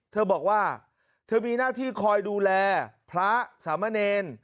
เธอบอกว่าเธอมีหน้าที่คอยดูแลพระสามเณร